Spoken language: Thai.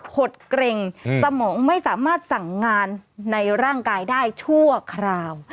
หดเกร็งสมองไม่สามารถสั่งงานในร่างกายได้ชั่วคราว